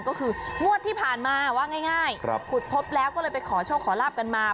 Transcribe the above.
ก็คืองวดที่ผ่านมาว่าง่ายขุดพบแล้วก็เลยไปขอโชคขอลาบกันมา